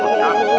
nah bagus ini